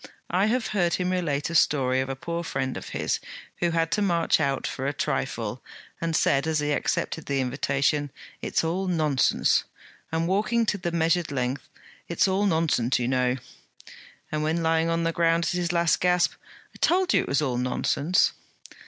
I have heard him relate a story of a poor friend of his, who had to march out for a trifle, and said, as he accepted the invitation, "It's all nonsense!" and walking to the measured length, "It's all nonsense, you know!" and when lying on the ground, at his last gasp, "I told you it was all nonsense!"'